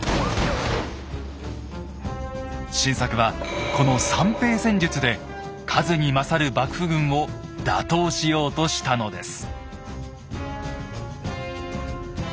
晋作はこの散兵戦術で数に勝る幕府軍を打倒しようとしたのです。